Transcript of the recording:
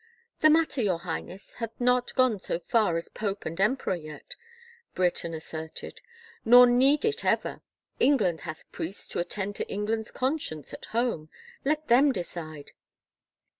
" The matter, your Highness, hath not gone so far as pope and emperor yet," Brereton asserted, " nor need it ever. England hath priests to attend to England's con science at home. Let them decide."